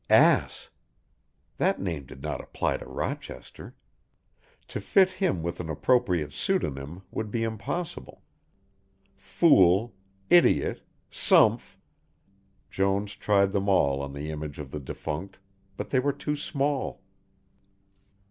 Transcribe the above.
Ass! That name did not apply to Rochester. To fit him with an appropriate pseudonym would be impossible. Fool, idiot, sumph Jones tried them all on the image of the defunct, but they were too small.